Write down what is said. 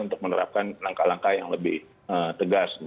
untuk menerapkan langkah langkah yang lebih tegas